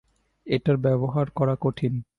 এটা ব্যবহার করা কঠিন।